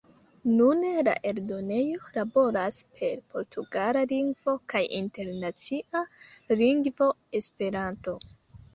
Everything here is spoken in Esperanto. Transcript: Nune, la eldonejo laboras per portugala lingvo kaj Internacia Lingvo Esperanto.